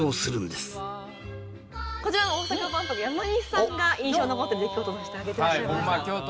こちら大阪万博山西さんが印象に残っている出来事として挙げてらっしゃいました。